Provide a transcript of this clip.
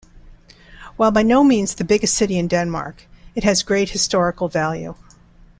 While by no means the biggest city in Denmark, it has great historical value.